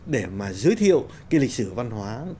để mà giới thiệu cái lịch sử văn hóa